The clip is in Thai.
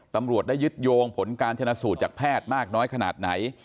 ตำรวจได้ยึดโยงผลการชนะสูตรจากแพทย์มากน้อยขนาดไหน